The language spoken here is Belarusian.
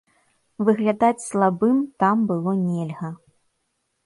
Выглядаць слабым там было нельга.